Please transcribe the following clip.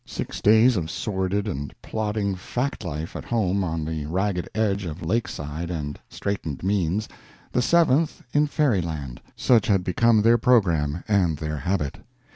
Six days of sordid and plodding fact life at home on the ragged edge of Lakeside and straitened means, the seventh in Fairyland such had been their program and their habit.